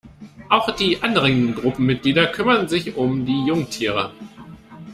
Auch die anderen Gruppenmitglieder kümmern sich um die Jungtiere.